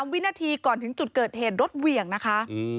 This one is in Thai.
วินาทีก่อนถึงจุดเกิดเหตุรถเหวี่ยงนะคะ